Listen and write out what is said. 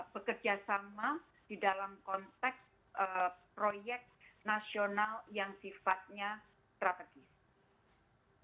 bekerjasama di dalam konteks proyek nasional yang sifatnya strategis